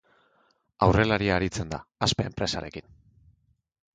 Aurrelaria aritzen da, Aspe enpresarekin.